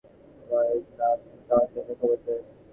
আমার নাম শ্রীসতীশচন্দ্র মুখোপাধ্যায়।